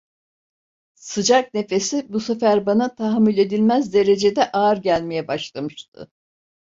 Sıcak nefesi bu sefer bana, tahammül edilmez derecede ağır gelmeye başlamıştı.